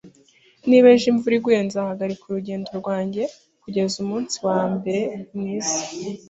Niba ejo imvura iguye, nzahagarika urugendo rwanjye kugeza umunsi wambere mwiza